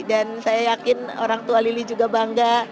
dan saya yakin orang tua lili juga bangga